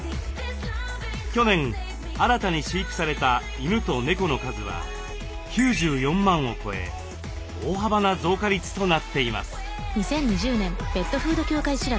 去年新たに飼育された犬と猫の数は９４万を超え大幅な増加率となっています。